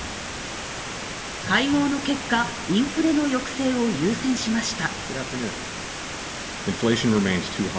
会合の結果、インフレの抑制を優先しました。